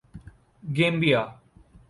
Gambia